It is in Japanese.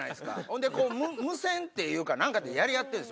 ほんでこう無線っていうか何かでやり合ってるんですよ。